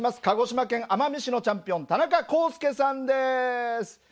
鹿児島県奄美市のチャンピオン田中功介さんです。